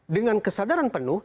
dengan kesadaran penuh